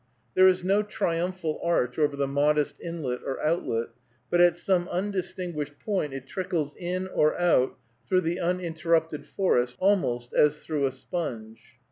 There is no triumphal arch over the modest inlet or outlet, but at some undistinguished point it trickles in or out through the uninterrupted forest, almost as through a sponge.